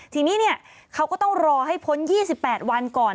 ทีนี้เขาก็ต้องรอให้พ้น๒๘วันก่อน